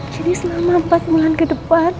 jadi selama empat bulan ke depan